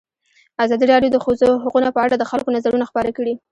ازادي راډیو د د ښځو حقونه په اړه د خلکو نظرونه خپاره کړي.